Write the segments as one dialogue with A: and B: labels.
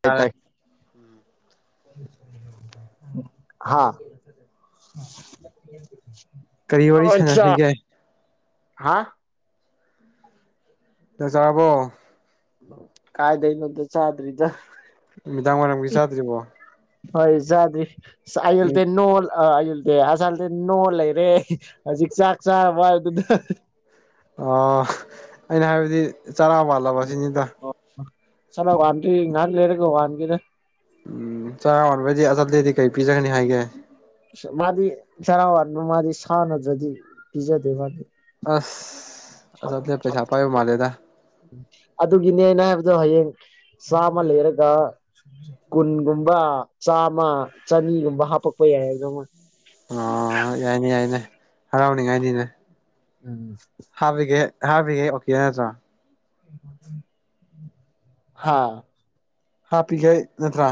A: ꯇ ꯇꯥꯏ ꯍꯥꯥ
B: ꯀꯔꯤ ꯋꯥꯔꯤ ꯁꯥꯟꯅꯁꯤꯒꯦ
A: ꯍꯥꯥ
B: ꯆꯛ ꯆꯔꯕꯣ
A: ꯀꯥꯏꯗꯩꯅꯣꯗ ꯆꯗ꯭ꯔꯤꯗ
B: ꯅꯨꯃꯤꯗꯥꯡ ꯋꯥꯏꯔꯝꯒꯤ ꯆꯥꯗ꯭ꯔꯤꯕꯣ
A: ꯍꯣꯏ ꯆꯥꯗ꯭ꯔꯤ [unintelligible] ꯅꯣꯜ ꯑꯜ ꯑꯁꯜꯗꯤ ꯅꯣꯛꯑ ꯂꯩꯔꯦ ꯍꯧꯖꯤꯛ ꯆꯥꯛ ꯆꯥꯔꯕ ꯑꯗꯨꯗ
B: ꯑ ꯑꯩꯅ ꯍꯥꯏꯕꯗꯤ ꯆꯔꯥ ꯋꯥꯜꯂꯕ ꯁꯤꯅꯤꯗ
A: ꯆꯔꯥ ꯋꯥꯥꯟꯗꯔꯤ ꯉꯍꯥꯛ ꯂꯩꯔꯒ ꯋꯥꯥꯟꯗꯨꯏꯅ‌ꯦ
B: ꯎꯝ ꯆꯥꯔꯥ ꯋꯥꯟꯕꯩꯗꯤ ꯑꯗ‌ꯣ ꯑꯇꯩꯗꯤ ꯀꯩ ꯄꯤꯖꯒꯅꯤ ꯍꯥꯏꯒꯦ
A: ꯃꯥꯗꯤ ꯆꯔꯥꯋꯥꯟꯕ ꯃꯥꯗꯤ ꯁꯥ ꯅꯠꯇꯔꯗꯤ ꯄꯤꯖꯗꯦ ꯃꯥꯗꯤ
B: ꯑꯁ ꯑꯆꯥꯄꯣꯠ ꯄꯩꯁꯥ ꯄꯥꯏꯕ ꯃꯥꯜꯂꯦꯗ
A: [unintelligible] ꯑꯗꯨꯒꯤꯅꯦꯅ ꯑꯗꯣ ꯍꯌꯦꯡ ꯆꯥꯃ ꯂꯩꯔꯒ ꯀꯨꯟꯒꯨꯝꯕ ꯆꯥꯝꯃ ꯆꯅꯤꯒꯨꯝꯕ ꯍꯥꯞꯄꯛꯄ ꯌꯥꯏ ꯑꯗꯨꯗ ꯑꯃ
B: ꯑꯣ ꯌꯥꯏꯅꯦ ꯌꯥꯏꯅꯦ ꯍꯔꯥꯎꯅꯤꯉꯥꯏꯅꯤꯅꯦ
A: ꯎꯝ
B: ꯍꯥꯕꯤ [unintelligible] ꯅꯠꯇꯔ‌ꯣ
A: ꯍꯥꯥ
B: ꯍꯥꯞꯄꯤꯒꯦ ꯅꯠꯇ꯭ꯔꯥ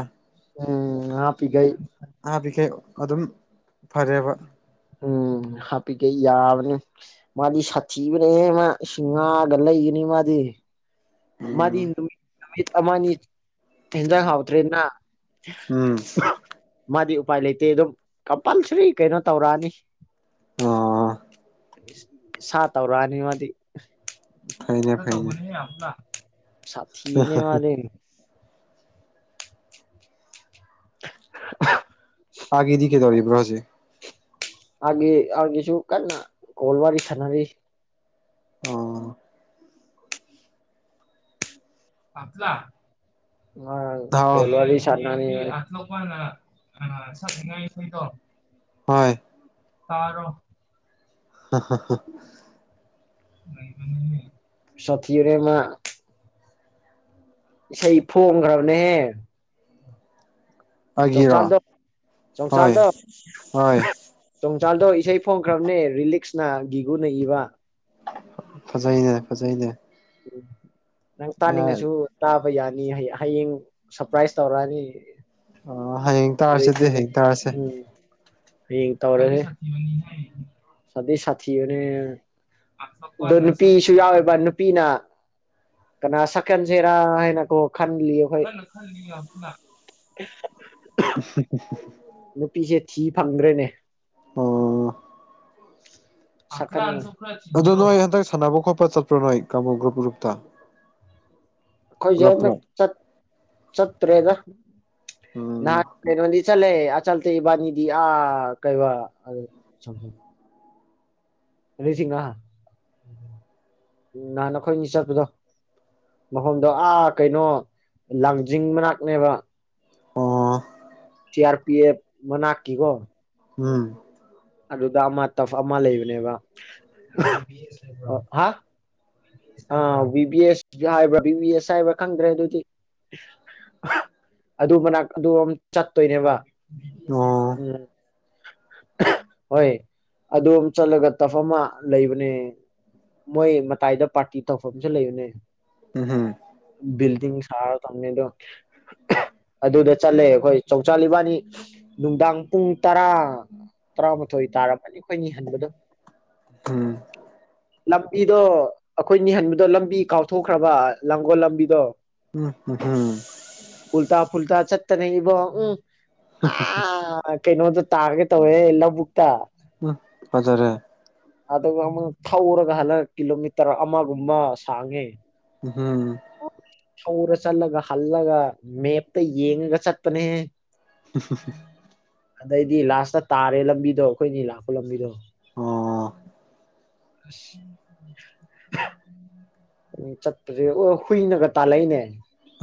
A: ꯎꯝ ꯍꯥꯞꯄꯤꯒꯩ
B: ꯍꯥꯞꯄꯤꯈꯩ ꯑꯗꯨꯝ ꯐꯔꯦꯕ
A: ꯎꯝ ꯍꯥꯞꯄꯤꯈꯦ ꯌꯥꯕꯅꯤ ꯃꯥꯗꯤ ꯁꯥꯊꯤꯕꯅꯦ ꯃꯥꯗꯤ ꯁꯥꯊꯤꯕꯅꯤꯍ‌ꯦꯏꯁ ꯉꯥꯑꯒ ꯂꯩꯒꯅꯤ ꯃꯥꯗꯤ ꯃꯥꯗꯤ
B: ꯎꯝ
A: ꯅꯨꯃꯤꯠ ꯑꯃꯅꯤ ꯍꯦꯟꯖꯥꯡ ꯍꯥꯎꯇ꯭ꯔꯦꯅ
B: ꯎꯝ
A: ꯃꯥꯗꯤ ꯎꯄꯥꯏ ꯂꯩꯇꯦ ꯑꯗꯨꯝ ꯀꯝꯄꯜꯁꯔꯤ ꯀꯩꯅꯣ ꯇꯧꯔꯛꯑꯅꯤ
B: ꯑꯣ
A: ꯁꯥ ꯇꯧꯔꯛꯑꯅꯤ ꯃꯥꯗꯤ
B: ꯐꯩꯅꯦ ꯐꯩꯅꯦ
A: [unintelligible] ꯁꯥꯊꯤꯕꯅꯦ ꯃꯥꯗꯤ [unintelligible]
B: ꯑꯥꯒꯤꯗꯤ ꯀꯩꯗꯧꯔꯤꯕ꯭ꯔꯣ ꯍꯧꯖꯤꯛ
A: ꯑꯒ‌ꯦ ꯑꯒ‌ꯦꯒꯤꯁꯨ ꯀꯟꯅ ꯀꯣꯜ ꯋꯥꯔꯤ ꯁꯥꯅꯔꯤ
B: ꯑꯣ
A: [unintelligible] ꯉꯔꯥꯡ
B: ꯍꯥꯎ
A: ꯀꯣꯜ ꯋꯥꯔꯤ ꯁ [unintelligible]
B: ꯍꯣꯏ
A: ꯇꯔꯣ
B: [unintelligible]
A: ꯁꯊꯤꯕꯅ‌ꯦ ꯃꯥ ꯏꯁꯩ ꯐꯣꯡꯈ꯭ꯔꯕꯅꯦꯍꯦ
B: ꯑꯩꯒꯤꯔꯣ
A: ꯆꯣꯡꯆꯜꯗꯣ
B: ꯍꯣꯏ
A: ꯆꯣꯡꯆꯜꯗꯣ
B: ꯍꯣꯏ
A: ꯆꯣꯡꯆꯜꯗꯣ ꯏꯁꯩ ꯐꯣꯡꯈ꯭ꯔꯕꯅꯦ ꯔꯤꯂꯤꯛꯁ ꯅꯍꯟ ꯒꯤꯒꯨꯅꯩꯏꯕ
B: ꯐꯖꯩꯅꯦ ꯐꯖꯩꯅꯦ
A: ꯎꯝ ꯅꯪ
B: ꯌꯥꯏ
A: ꯇꯥꯅꯤꯡꯉꯁꯨ ꯇꯥꯕ ꯐꯕ ꯌꯥꯅꯤ ꯍꯌꯦꯡ ꯁꯔꯄ꯭ꯔꯥꯏꯁ ꯇꯧꯔꯛꯑꯅꯤ
B: ꯑ ꯍꯌꯦꯡ
A: ꯑꯗꯨꯗꯩ
B: ꯇꯥꯔꯁꯤꯗꯤ
A: ꯁꯤꯗ
B: ꯍꯌꯦꯡ ꯇꯥꯔꯁꯦ
A: ꯎꯝ ꯍꯌꯦꯡ ꯇꯧꯔꯅꯦ ꯁꯥꯊꯤ ꯁꯥꯊꯤꯌꯅꯦ ꯑ ꯅꯨꯄꯤꯁꯨ ꯌꯥꯎꯋꯦꯕ ꯅꯨꯄꯤꯅ ꯀꯅꯥ ꯁꯀꯟꯁꯦꯔꯥ ꯍꯥꯏꯅ ꯀꯣ ꯈꯜꯂꯤ ꯑꯩꯈꯣꯏ
B: ꯑ
A: ꯄꯤꯁꯦ ꯊꯤꯞ ꯐꯪꯗ꯭ꯔꯦꯅꯦ
B: ꯑꯣ
A: ꯁꯀ
B: ꯑꯗꯨꯣ ꯅꯣꯏ ꯍꯟꯗꯛ ꯁꯥꯟꯅꯕ ꯈꯣꯠꯄ ꯆꯠꯄ ꯄ꯭ꯔꯅꯣꯏ ꯀꯃꯒ꯭ꯔ ꯄꯨꯔꯨꯨꯞꯥ
A: ꯑꯩꯈ‌ꯣꯏꯁ‌ꯦ ꯍꯟꯗꯛ ꯆꯠ ꯆꯠꯇ꯭ꯔꯦꯗ
B: ꯎꯝ
A: ꯅꯍꯟ ꯀꯩꯅ‌ꯣꯗꯤ ꯆꯠꯂ‌ꯦ ꯆꯇ‌ꯦ ꯏꯕꯥꯅꯤꯗꯤ ꯑ ꯀꯩꯕ ꯑꯗꯨꯁꯤꯡꯅ ꯎ ꯅꯍꯥꯟ ꯅꯈꯣꯏꯅꯤ ꯆꯠꯄꯗꯣ ꯃꯐꯝꯗꯣ ꯑꯥ ꯀꯩꯅꯣ ꯂꯥꯡꯖꯤꯡ ꯃꯅꯥꯛꯅꯦꯕ
B: ꯑꯣ
A: ꯁꯤ ꯑꯔ ꯄꯤ ꯑꯦꯐ ꯃꯅꯥꯛꯀꯤ ꯀꯣ
B: ꯎꯝ
A: ꯑꯗꯨꯗ ꯑꯃ ꯇꯞ ꯑꯃ ꯂꯩꯕꯅꯦꯕꯕꯤꯁ ꯍꯥꯏꯕ꯭ꯔꯥ ꯈꯪꯗ꯭ꯔꯦ ꯑꯗꯨꯗꯤ ꯑꯗꯨ ꯃꯅꯥꯛ ꯑꯗꯨ ꯆꯠꯇꯣꯏꯅꯦꯕ
B: ꯑꯣ
A: [unintelligible] ꯍꯣꯏ ꯑꯗꯨꯝ ꯆꯠꯂꯒ ꯇꯞꯐꯝ ꯑꯃ ꯂꯩꯕꯅꯦ ꯃꯣꯏ ꯃꯇꯥꯏꯗ ꯄꯥꯔꯇꯤ ꯇꯧꯐꯝꯁꯨ ꯂꯩꯕꯅꯦ
B: ꯎꯝ
A: ꯕꯤꯜꯗꯤ ꯊꯔ ꯊꯝꯃꯦ ꯑꯗꯣ ꯑꯗꯨꯗ ꯆꯠꯂꯦ ꯑꯩꯈꯣꯏ ꯆꯧꯆꯥꯥ ꯏꯕꯥꯅꯤ ꯅꯨꯡꯗꯥꯡ ꯄꯨꯡ ꯇꯔꯥ ꯇꯔꯥꯃꯊꯣꯏ ꯇꯥꯔꯅꯤ ꯑꯩꯈꯣꯏꯅꯤ ꯍꯟꯕꯗꯣ
B: ꯎꯝ
A: ꯂꯝꯕꯤꯗꯣ ꯑꯩꯈꯣꯏ ꯅꯤꯍꯟꯕꯗꯣ ꯂꯝꯕꯤ ꯀꯥꯎꯊꯣꯛꯈ꯭ꯔꯕ ꯂꯥꯡꯒꯣꯜ ꯂꯝꯕꯤꯗꯣ
B: ꯎꯝꯝ
A: ꯇꯅꯦ ꯏꯕ ꯎꯝ ꯑ ꯀꯩ ꯅꯣꯗ ꯇꯥꯔꯒꯦ ꯇꯧꯌ‌ꯦ ꯕꯨꯛꯛꯇ
B: ꯐꯖꯔꯦ
A: ꯑꯗꯨꯒ ꯑꯃꯨꯛ ꯊꯧꯔꯒ ꯍꯜꯂ ꯀꯤꯂꯣꯃꯤꯇꯔ ꯑꯃꯒꯨꯝꯕ ꯁꯥꯡꯉꯦ
B: ꯍꯝ
A: ꯊꯧꯔ ꯆꯠꯂꯒ ꯍꯜꯂꯒ ꯃꯦꯞꯇ ꯌꯦꯡꯉꯒ ꯆꯠꯄꯅꯦ ꯑꯗꯩꯗꯤ ꯂꯥꯁꯇ ꯇꯥꯔꯦ ꯂ ꯄꯤꯗꯣ ꯑꯩꯈꯣꯏꯅꯤ ꯂꯥꯛꯄ ꯂꯝꯕꯤꯗꯣ
B: ꯑꯣ
A: ꯑꯝ ꯆꯠꯄꯁꯦ ꯑꯣ ꯍꯨꯏꯅꯒ ꯇꯥꯜꯂꯛꯏꯅꯦ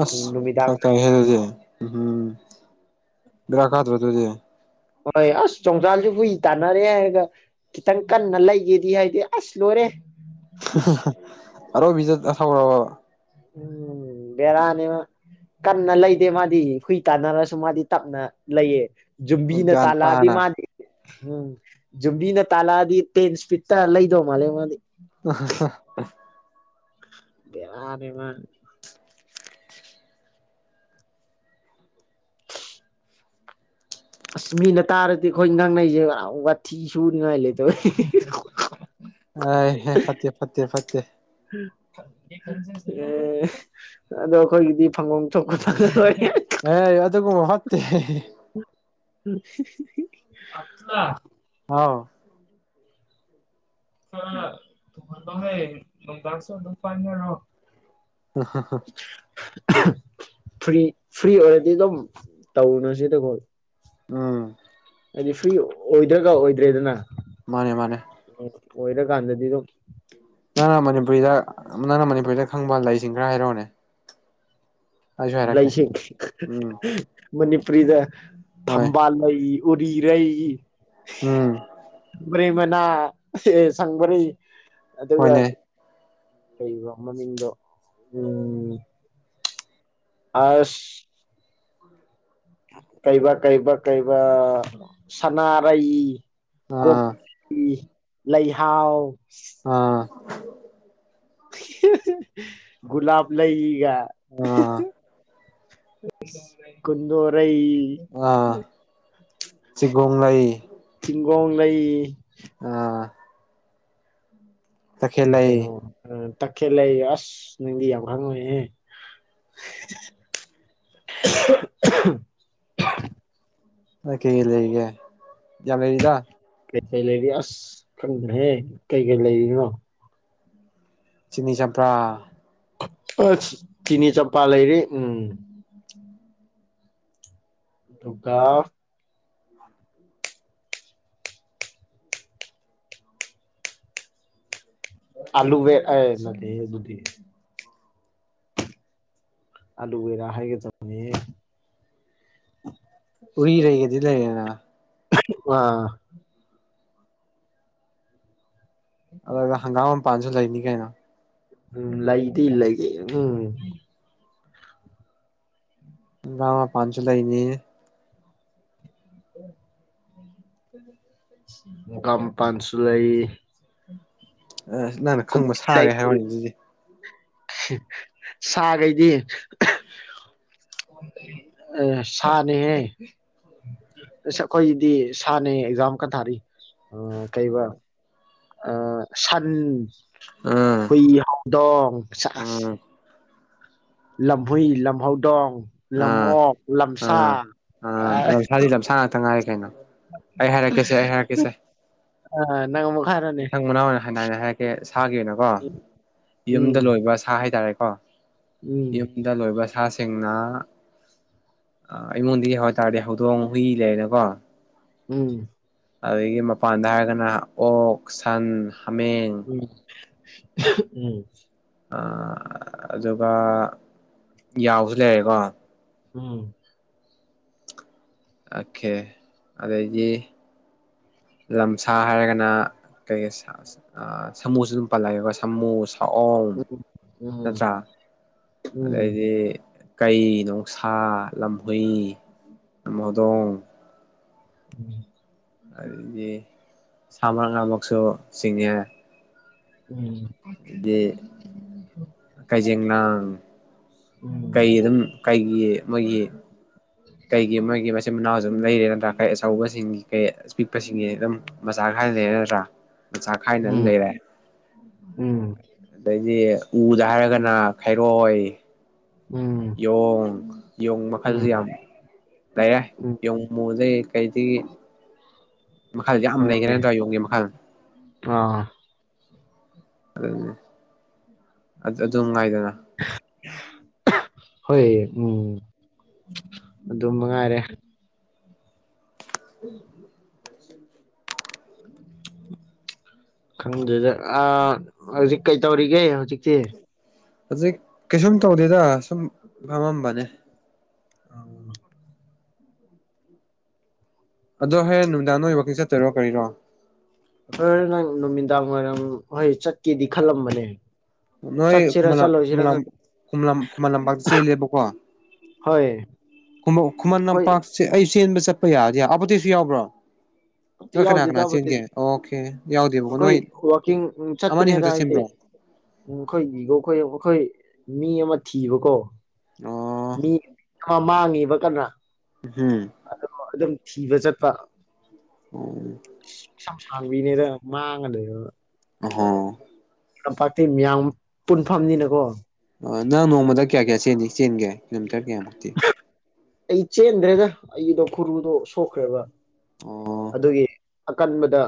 B: ꯑꯁ
A: ꯅꯨꯃꯤꯗꯥꯡ
B: ꯐꯔꯥꯛ ꯇꯥꯏꯍꯦ
A: ꯋꯥꯏꯔꯝꯗꯒ
B: ꯑꯗꯨꯗꯦ ꯎꯍꯣꯍꯨꯝ ꯕꯦꯔꯛꯑꯗꯔꯥ ꯑꯗꯨꯗꯦ
A: ꯍꯣꯏ ꯑꯁ ꯆꯣꯡꯆꯜꯁꯨ ꯍꯨꯏ ꯇꯥꯟꯅꯔꯦ ꯍꯥꯏꯔꯒ ꯈꯤꯇꯪ ꯀꯟꯅ ꯂꯩꯒꯦꯗꯤ ꯍꯥꯏꯗꯤ ꯑꯁ ꯂꯣꯏꯔꯦ ꯑꯁ
B: [inaudible] ꯑꯣꯔꯣꯕꯦꯖꯦꯇꯥ ꯍꯧꯔꯕꯕꯥ
A: ꯎꯝ ꯕꯦꯔꯥꯅꯤꯃꯥ ꯀꯟꯅ ꯂꯩꯗꯦ ꯃꯥꯗꯤ ꯍꯨꯏ ꯇꯥꯟꯅꯔꯁꯨ ꯃꯥꯗꯤ ꯇꯞꯅ ꯂꯩꯌꯦ ꯌꯨꯝꯕꯤꯅ
B: ꯒ꯭ꯌꯥꯟ
A: ꯇꯥꯂꯛꯑꯗꯤ
B: ꯇꯥꯅ
A: ꯃꯥꯅꯦ ꯎꯝ ꯖꯨꯝꯕꯤꯅ ꯇꯥꯜꯂꯛꯑꯗꯤ ꯇꯦꯟ ꯏꯁꯄꯤꯠꯇ ꯂꯩꯗꯧ ꯃꯥꯜꯂꯦ ꯃꯥꯗꯤ
B: ꯑꯍꯥ ꯍꯥ
A: ꯕꯥꯔꯦꯅꯤꯃꯥ ꯑꯁ ꯃꯤꯅ ꯇꯥꯔꯗꯤ ꯑꯩꯈꯣꯏ ꯉꯪꯅꯩꯁꯦ ꯋꯥꯊꯤ ꯁꯨꯅꯤꯉꯥꯏ ꯂꯩꯇꯧꯕꯩ
B: ꯑꯦ ꯍꯦ ꯐꯠꯇꯦ ꯐꯠꯇꯦ ꯐꯠꯇꯦ
A: ꯑꯦ ꯑꯗꯣ ꯑꯩꯈꯣꯏꯒꯤꯗꯤ ꯐꯪꯒꯣꯝ ꯊꯣꯛꯄ ꯂꯣꯏ
B: ꯑ ꯑꯗꯨꯕꯨ ꯍꯠꯇꯦ
A: [unintelligible]
B: ꯑꯣ
A: [unintelligible] ꯅꯨꯡꯗꯥꯡ ꯁꯤ ꯑꯃꯇꯡ ꯄꯥꯏꯅꯔꯣ
B: [unintelligible]
A: ꯐ꯭ꯔꯤ ꯐ꯭ꯔꯤ ꯑꯣꯏꯔꯗꯤ ꯑꯗꯨꯝ ꯇꯧꯅ ꯁꯤꯗ ꯒꯪ
B: ꯎꯝ
A: ꯍꯥꯏꯗꯤ ꯐ꯭ꯔꯤ ꯑꯣꯏꯗ꯭ꯔꯒ ꯑꯣꯏꯗ꯭ꯔꯦꯗꯅ
B: ꯃꯥꯅꯦ ꯃꯥꯅꯦ
A: ꯑꯣꯏꯗꯔꯀꯥꯟꯗꯗꯤ ꯑꯗꯨꯝ
B: ꯅꯪꯅ ꯃꯅꯤꯄꯨꯔꯤꯗ ꯅꯪꯅ ꯃꯅꯤꯄꯨꯔꯤꯗ ꯈꯡꯕ ꯂꯩꯁꯤꯡ ꯈꯔ ꯍꯥꯏꯔꯛꯑꯣꯅꯦ ꯑꯩꯁꯨ ꯍꯥꯏꯔꯛꯀꯦ
A: ꯂꯩꯥꯏꯁ
B: ꯎꯝ
A: ꯃꯅꯤꯄꯨꯔꯤꯗ
B: ꯍꯣꯏ
A: ꯊꯕꯥꯜꯅ ꯎꯔꯤꯔꯩ
B: ꯎꯝ
A: ꯄꯔꯦꯡ ꯃꯅꯥ ꯁꯡꯕꯔꯩ ꯑꯗꯨꯒꯥ
B: ꯍꯣꯏꯅꯦ
A: ꯄꯥꯔꯤꯒꯣꯛ ꯃꯅꯤꯡꯗꯣ ꯎꯝ ꯑꯁ ꯀꯩꯕꯥ ꯀꯩꯕꯥ ꯀꯩꯕ ꯁꯅꯥꯔꯩ ꯀꯣꯛ
B: ꯑꯥ
A: ꯏꯒꯤ ꯂꯩꯍꯥꯎ
B: ꯑꯥ [unintelligible]
A: ꯒꯨꯂꯥꯕ ꯂꯩꯏ ꯌꯥ
B: ꯑꯥ
A: ꯀꯨꯟꯗꯣꯔ [unintelligible]
B: ꯔ‌ꯣꯡꯉꯩ
A: ꯨꯒ‌ꯣꯡꯂꯩ
B: ꯑꯥ ꯇꯈꯦꯜ
A: ꯀꯦ
B: ꯂꯩ
A: ꯀꯅꯣ ꯑ ꯇꯛꯈꯦꯜꯂꯩ ꯑꯁ ꯅꯪꯗꯤ ꯌꯥꯝ ꯍꯪꯉꯤꯍ‌ꯦ
B: ꯃ ꯀꯩ ꯂꯩꯔꯤꯒꯦ ꯌꯥꯝ ꯂꯩꯔꯤꯗ
A: ꯀꯩꯀꯩ ꯂꯩꯔꯤ ꯑꯁ ꯈꯪꯗ꯭ꯔꯦꯍꯦ ꯀꯩ ꯀꯩ ꯂꯩꯔꯤꯅꯣ
B: ꯆꯤꯅꯤ ꯆꯝꯄ꯭ꯔꯥ
A: ꯆꯤꯅꯤ ꯆꯞꯄ ꯂꯩꯔꯤ ꯎꯝ ꯑꯗꯨꯒ ꯑꯂꯨꯚ‌ꯦ ꯑ‌ꯦ ꯅꯠꯇ‌ꯦꯍ‌ꯦ ꯗꯨꯗꯤ ꯑꯂꯨꯕꯔꯥ ꯍꯥꯏꯦꯒꯦ ꯇꯧꯕꯅꯤꯍ‌ꯦ
B: ꯎꯔꯤ ꯂꯩꯒꯗꯤ ꯂꯩꯔꯦꯅ
A: ꯑꯥ
B: ꯑꯗꯨꯒꯒ ꯍꯪꯒꯥꯝꯝ ꯄꯥꯟꯁꯨ ꯂꯩꯅꯤ ꯀꯩꯅ‌ꯣ
A: ꯎꯝ ꯂꯩꯗꯤ ꯏ ꯂꯩꯒꯦ ꯎꯝ
B: ꯉ ꯄꯥꯟꯁꯨ ꯂꯩ ꯏꯅꯤ
A: ꯃꯨꯒ ꯃꯄꯥꯟꯁꯨ ꯂꯩ
B: ꯑ ꯅꯪꯅ ꯈꯪꯕ
A: ꯀꯣꯕꯤ ꯂꯩ
B: ꯁꯥꯒꯦ ꯍꯥꯏꯔꯅꯤ ꯑꯗꯨꯗꯤ
A: ꯁꯥꯈꯩꯗꯤ ꯁꯥꯅꯦꯍꯦ ꯑꯁ ꯑꯩꯈꯣꯏꯒꯤꯗꯤ ꯁꯥꯅꯦꯍꯦ ꯑꯦꯛꯖꯥꯝ ꯈ ꯊꯥꯔꯤ ꯑꯣ ꯀꯩꯕ ꯑ ꯁꯥꯟ
B: ꯑꯥ
A: ꯀꯈꯣꯏꯗꯣꯡ ꯆ
B: ꯎꯝ
A: ꯂꯝꯍꯨꯏ ꯂꯝꯍꯧꯗꯣꯡ
B: ꯑꯥ
A: ꯂꯝꯑꯣꯛ ꯂꯝꯁꯥ
B: ꯑꯥ ꯑꯥ
A: ꯑ
B: ꯂꯝꯁꯥꯗꯤ ꯂꯝꯁꯥ ꯉꯥꯛꯇ ꯉꯥꯏꯔꯦ ꯀꯩꯅꯣ ꯑꯩ ꯍꯥꯏꯔꯛꯀꯦꯁꯦ ꯑꯩ ꯍꯥꯏꯔꯛꯀꯦꯁꯦ
A: ꯑ ꯅꯪ ꯍꯥꯏꯔꯣꯅꯦ
B: ꯃꯊꯪ ꯃꯅꯥꯎ ꯑꯣꯏꯅ ꯍꯥꯏꯅ ꯍꯥꯏꯔꯛꯒꯦ ꯁꯥꯒꯤꯅꯀꯣ ꯌꯨꯝꯗ
A: ꯎꯝ
B: ꯂꯣꯏꯕ ꯁꯥ ꯍꯥꯏꯇꯥꯔꯦ ꯍꯥꯥ
A: ꯎꯝ
B: ꯏꯗ ꯂꯣꯏꯕ ꯁꯥꯁꯤꯡꯅ ꯑ ꯑꯩꯉꯣꯟꯗꯒꯤ ꯍꯥꯏꯇꯥꯔꯗꯤ ꯍꯧꯗꯣꯡ ꯍꯨꯏ ꯂꯩꯔꯦꯀꯣ
A: ꯎꯝ
B: ꯑꯗꯒꯤ ꯃꯄꯥꯟꯗ ꯍꯥꯏꯔꯒꯅ ꯑꯣꯛ ꯁꯟ ꯍꯥꯃꯦꯡ
A: ꯎꯝ ꯎꯝ
B: ꯑ ꯑꯗꯨꯒ ꯌꯥꯎꯁꯨ ꯂꯩꯔꯦꯀꯣ
A: ꯎꯝ
B: ꯑꯈꯦ ꯑꯗꯩꯗꯤ ꯂꯝꯁꯥ ꯍꯥꯏꯔꯒꯅ ꯀꯩ ꯁꯥ ꯁꯥꯃꯨꯁꯨ ꯑꯗꯨꯝ ꯄꯜꯂꯒꯦꯀꯣ ꯁꯃꯨ ꯇꯥꯛꯑꯣꯝ
A: ꯎꯝ
B: ꯅꯠꯇ꯭ꯔꯥ
A: ꯎꯝ ꯎꯝ
B: ꯑꯗꯩꯗꯤ ꯀꯩ ꯅꯣꯡꯁꯥ ꯂꯝꯍꯨꯏ ꯂꯝꯍꯧꯗꯣꯡ
A: ꯎꯝ
B: ꯑꯗꯩꯗꯤ ꯁꯥ ꯃꯉꯥꯃꯛꯁꯨ ꯆꯤꯡꯉꯦ
A: ꯎꯝ ꯎꯝ
B: ꯑꯗꯩꯗꯤ ꯀꯩꯖꯦꯡ ꯂꯥꯡ ꯀꯩ ꯑꯗꯨꯝ ꯀꯩꯒꯤ ꯃꯣꯏꯒꯤ ꯀꯩꯒꯤ ꯃꯣꯏꯒꯤ ꯃꯆꯤꯟ ꯃꯅꯥꯎ ꯑꯗꯨꯝ ꯂꯩꯔꯦ ꯅꯠꯇ꯭ꯔ ꯀꯩ ꯑꯆꯧꯕꯁꯤꯡꯒꯤ ꯀꯩ ꯄꯤꯛ ꯄꯁꯤꯡꯒꯤ ꯑꯗꯨꯝ ꯃꯆꯥ ꯈꯥꯏꯅ ꯂꯩꯔꯦ ꯅꯠꯇ꯭ꯔꯥ ꯃꯆꯥ ꯈꯥꯏꯅ ꯑꯗꯨꯝ ꯂꯩꯔꯦ
A: ꯎꯝ
B: ꯑꯗꯩꯗꯤ ꯎꯗ ꯍꯥꯏꯔꯒꯅ ꯈꯩꯔꯣꯏ ꯌꯣꯡ ꯌꯣꯡ
A: ꯎꯝ
B: ꯃꯈꯜꯁꯤ
A: ꯎꯝ
B: ꯌꯥꯝꯤ ꯇꯌꯥꯏ
A: ꯎꯝ
B: ꯌꯣꯡ ꯑꯃꯨꯕꯁꯦ ꯀꯩꯗꯒꯤ ꯃꯈꯥꯗ ꯌꯥꯝ
A: ꯍꯣꯏ
B: ꯂꯩꯒ꯭ꯔꯦ ꯅꯠꯇ꯭ꯔꯥ ꯌꯣꯡꯒꯤ ꯃꯈꯥꯗ
A: ꯑꯥ
B: ꯑꯗꯨꯅꯤ ꯑꯗꯨ ꯑꯗꯨꯝ ꯉꯥꯏꯗꯅ [inaudible]
A: ꯍꯣꯏ ꯎꯝ ꯑꯗꯨ ꯃꯉꯥꯏꯔꯦ
B: [unintelligible]
A: ꯇꯪꯗꯦꯗ ꯑꯥ ꯍꯧꯖꯤꯛ ꯀꯩꯗꯧꯔꯤꯒꯦ ꯍꯧꯖꯤꯛꯁꯦ
B: ꯍꯧꯖꯤꯛ ꯀꯩꯁꯨꯝ ꯇꯧꯗꯦꯗ ꯁꯨꯝ ꯐꯝꯃꯝꯕꯅꯦ [inaudible] ꯑꯗꯣ ꯍꯌꯦꯡ ꯅꯨꯃꯤꯗꯥꯡ ꯅꯣꯏ ꯋꯥꯀꯤꯡ ꯆꯠꯇꯣꯏꯔꯣ ꯀꯔꯤꯔꯣ
A: ꯍꯣꯔꯦꯟ ꯅꯪ ꯅꯨꯃꯤꯗꯥꯡ ꯋꯥꯏꯔꯝ ꯍꯣꯏ ꯆꯠꯀꯦꯗꯤ ꯈꯜꯂꯝꯕꯅꯦ
B: ꯅꯣꯏ
A: ꯆꯠꯁꯤꯔꯥ
B: ꯈꯨꯃꯂꯝ
A: ꯆꯠꯂꯣꯏꯁꯤꯔꯥ
B: ꯈꯨꯃꯂꯝ
A: ꯈꯪ
B: ꯈꯨꯃꯂꯝ ꯈꯨꯃꯂꯝꯄꯥꯛꯇ ꯆꯦꯜꯂꯦꯕꯀꯣ
A: ꯍꯣꯏ
B: ꯈꯨꯃꯣ ꯈꯨꯃꯟ
A: ꯑꯩꯈꯣꯏ
B: ꯂꯝꯄꯥꯛꯁꯦ ꯑꯩ ꯆꯦꯟꯕ ꯆꯠ ꯄ ꯌꯥꯗꯦ ꯑꯕꯗꯤꯁꯨ ꯌꯥꯎꯕ꯭ꯔꯣ
A: ꯑꯝꯇ
B: ꯅꯣꯏ ꯀꯅꯥ
A: ꯌꯥꯎꯗꯦꯗ
B: ꯀꯅꯥ ꯆꯦꯟꯒꯦ
A: ꯑꯃꯠꯇꯗꯤ
B: ꯑꯣꯈꯦ
A: ꯑꯩꯈꯣꯏ ꯋꯥꯛꯀꯤꯡ ꯆꯠꯄꯅꯦꯗ
B: ꯈꯛꯇ
A: ꯍꯥꯏꯗꯤ
B: ꯆꯦꯟꯕ꯭ꯔꯣ
A: ꯎ ꯑꯩꯈꯣꯏꯒꯤꯒꯣ ꯑꯩꯈꯣꯏ ꯑꯩꯈꯣꯏ ꯃꯤ ꯑꯃ ꯊꯤꯕꯀꯣ
B: ꯑꯣ
A: ꯃꯤ ꯈ ꯃꯥꯡꯉꯦꯕ ꯀꯅꯥ
B: ꯎꯝ
A: ꯊꯤꯕ ꯆꯠꯄ
B: ꯎꯝ
A: ꯥꯡꯕꯤꯅꯦꯔ ꯃꯥꯥꯡꯉꯗ
B: ꯑ
A: ꯂꯝꯄꯥꯛꯇ ꯃꯤꯌꯥꯝ ꯄꯨꯟꯐꯝꯅꯤꯅꯀꯣ
B: ꯑꯣ ꯅꯪ ꯅꯣꯡꯃꯗ ꯀꯌꯥ ꯀꯌꯥ ꯆꯦꯟ ꯆꯦꯟꯒꯦ ꯇꯔꯒꯤ ꯌꯥꯝꯃꯛꯇꯤ
A: ꯑꯩ ꯆꯦꯟꯗ꯭ꯔꯦꯗ ꯑꯩꯗꯣ ꯈꯨꯔꯨꯗꯣ ꯁꯣꯛꯈ꯭ꯔꯦꯕ
B: ꯑꯣ
A: ꯑꯗꯨꯒꯤ ꯑꯀꯟꯕꯗ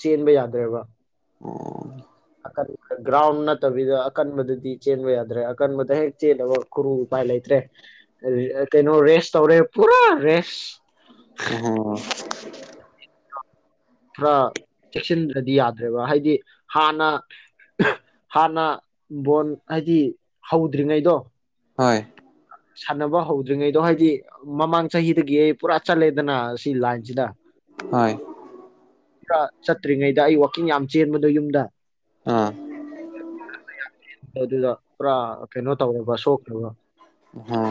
A: ꯆꯦꯟꯕ ꯌꯥꯗ꯭ꯔꯕ
B: ꯑ
A: ꯒ꯭ꯔꯥꯎꯟ ꯅꯠꯇꯕꯤꯗ ꯑꯀꯟꯕꯗꯗꯤ ꯆꯦꯟꯕ ꯌꯥꯗ꯭ꯔꯦ ꯑꯀꯟꯕꯗ ꯍꯦꯛ ꯆꯦꯜꯂꯕ ꯈꯨꯔꯨ ꯎꯄꯥꯏ ꯂꯩꯇ꯭ꯔꯦ ꯀꯩꯅꯣ ꯔꯦꯁ ꯇꯧꯔꯦ ꯄꯨꯔꯥ ꯔꯦꯁ
B: ꯑꯣ
A: ꯄꯨꯔ ꯆꯦꯛꯁꯤꯟꯗ꯭ꯔꯗꯤ ꯌꯥꯗ꯭ꯔꯦꯕ ꯍꯥꯏꯗꯤ ꯍꯥꯟꯅ ꯍꯥꯟꯅ ꯕꯣꯟ ꯍꯥꯏꯗꯤ ꯍꯧꯗ꯭ꯔꯤꯉꯩꯗꯣ
B: ꯍꯣꯏ
A: ꯁꯥꯟꯅꯕ ꯍꯧꯗ꯭ꯔꯤꯉꯩꯗꯣ ꯍꯥꯏꯗꯤ ꯃꯃꯥꯡ ꯆꯍꯤꯗꯒꯤ ꯑꯩ ꯄꯨꯔꯥ ꯆꯠꯂꯦꯗꯅ ꯁꯤ ꯂꯥꯏꯟꯁꯤꯗ
B: ꯍꯣꯏ
A: ꯈꯔ ꯆꯠꯇ꯭ꯔꯤꯉꯩꯗ ꯑꯩ ꯋꯥꯋꯥꯛꯀꯤꯡ ꯌꯥꯝ ꯆꯦꯟꯕꯗꯣ ꯌꯨꯝꯗ
B: ꯑꯥ
A: ꯃꯗꯨꯗ ꯄꯨꯔꯥ ꯀꯩꯅꯣ ꯇꯧꯔꯕ ꯁꯣꯛꯈ꯭ꯔꯕ
B: ꯑꯣꯍꯣ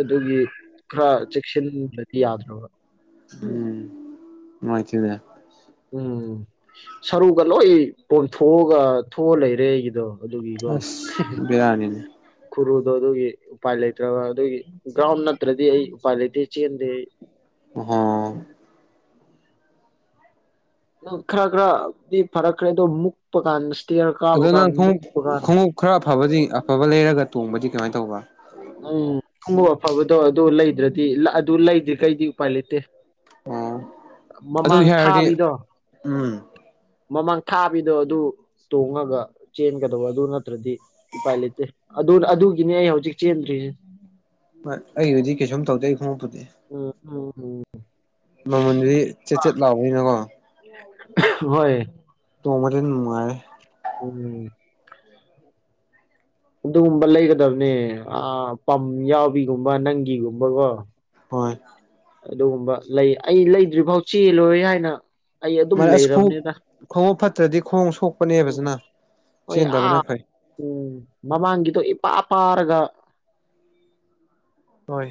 A: ꯑꯗꯨꯒꯤ ꯈꯔ ꯆꯦꯛꯁꯤꯟꯕꯗꯤ ꯌꯥꯗ꯭ꯔꯕ
B: ꯎꯝ ꯃꯥꯥꯏꯇꯅ
A: ꯎꯝ ꯁꯔꯨꯒ ꯂꯣꯏ ꯄꯣꯟꯊꯣꯛꯑꯒ ꯊꯣꯛꯑ ꯂꯩꯔꯦ ꯑꯩꯒꯤꯗꯣ ꯑꯗꯨꯒꯤꯒ
B: ꯑꯁ ꯕꯤꯔꯥꯅꯤꯅꯦ
A: ꯈꯨꯔꯨꯠ ꯑꯗꯣ ꯑꯗꯨꯒꯤ ꯎꯄꯥꯏ ꯂꯩꯇ꯭ꯔꯒ ꯑꯗꯨꯒꯤ ꯒ꯭ꯔꯥꯎꯟ ꯅꯠꯇ꯭ꯔꯗꯤ ꯑꯩ ꯎꯄꯥꯏ ꯂꯩꯇꯦ ꯆꯦꯟꯗꯦ ꯑꯩ
B: ꯑ
A: ꯈꯔ ꯈꯔꯗꯤ ꯐꯔꯛ ꯈꯔꯦꯗꯣ ꯃꯨꯛꯄ ꯀꯥꯟ ꯏꯁꯇꯤꯌꯔ ꯀꯥꯕ
B: ꯑꯗꯣ
A: ꯀꯥꯟ
B: ꯅꯪ ꯈꯣꯡꯎꯞ
A: ꯃꯨꯛꯄ ꯀꯥꯟ
B: ꯈꯣꯡꯎꯞ ꯈꯔ ꯑꯐꯕꯗꯤ ꯑꯐꯕ ꯂꯩꯔꯒ ꯇꯣꯡꯕꯗꯤ ꯀꯃꯥꯏꯅ ꯇꯧꯕ
A: ꯎꯝ ꯈꯕꯨ ꯑꯐꯕꯗꯣ ꯑꯗꯨ ꯂꯩꯗ꯭ꯔꯗꯤ ꯑꯗꯨ ꯂꯩꯗ꯭ꯦ ꯀꯩꯗꯤ ꯎꯄꯥꯏ ꯂꯩꯇꯦ
B: ꯑꯣ ꯑꯗꯨꯒꯤ
A: ꯃꯃꯥꯡ
B: ꯍꯥꯏꯔꯗꯤ
A: ꯊꯥꯕꯤꯗꯣ
B: ꯎꯝ
A: ꯃꯃꯥꯡ ꯊꯥꯕꯤꯗꯣ ꯑꯗꯨ ꯇꯣꯡꯉꯒ ꯆꯦꯟꯒꯗꯧꯕ ꯑꯗꯨ ꯅꯠꯇ꯭ꯔꯗꯤ ꯎꯄꯥꯥꯏ ꯂꯩꯇꯦ ꯑꯗꯨ ꯑꯗꯨꯒꯤꯅꯦ ꯍꯧꯖꯤꯛ ꯆꯟꯔꯤ
B: ꯍꯣꯏ ꯑꯩꯕꯨꯖꯤꯗꯤ ꯀꯩꯁꯨꯝ ꯇꯧꯗꯩ ꯑꯩ ꯈꯣꯡꯎ
A: ꯎꯝ ꯑꯣ
B: ꯃꯃꯟꯗꯨꯗꯤ ꯆꯦꯠꯆꯦꯠ ꯂꯥꯎꯕꯅꯤꯅꯀꯣ
A: ꯎꯝ ꯍꯣꯏ
B: [unintelligible] ꯀꯃꯗꯤ ꯅꯅꯨꯡꯉꯥꯏꯦ
A: ꯎꯝ ꯑꯗꯨꯒꯨꯝꯕ ꯂꯩꯒꯗꯕꯅꯦ ꯄꯝ ꯌꯥꯎꯕꯤꯒꯨꯝꯕ ꯅꯪꯒꯤꯒꯨꯝꯕꯀꯣ
B: ꯍꯣꯏ
A: ꯑꯗꯨꯒꯨꯝꯕ ꯂꯩ ꯑꯩ ꯂꯩꯗ꯭ꯔꯤ ꯐꯥꯎ ꯆꯦꯜꯂꯣꯏ ꯍꯥꯏꯅ ꯑꯩ ꯑꯗꯨꯝ
B: ꯃꯔ ꯑꯁ ꯈ
A: ꯂꯩꯔꯕꯅꯤꯗ
B: ꯈ ꯐ ꯗꯤ ꯈꯣꯡ ꯁ
A: ꯎꯝ ꯍꯣꯏ ꯑ ꯎꯝ ꯃꯃꯥꯡꯒꯤꯗꯣ ꯄꯥ ꯄꯥꯔꯒ
B: ꯍꯣꯏ